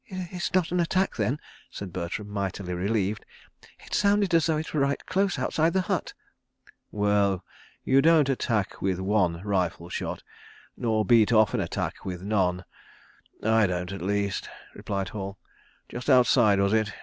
.." "It's not an attack, then?" said Bertram, mightily relieved. "It sounded as though it were right close outside the hut. ..." "Well—you don't attack with one rifle shot—nor beat off an attack with none. I don't, at least," replied Hall. .. "Just outside, was it?"